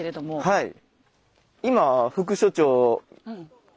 はい。